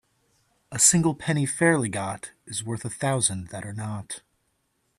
A single penny fairly got is worth a thousand that are not.